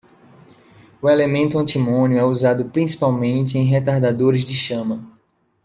O elemento antimônio é usado principalmente em retardadores de chama.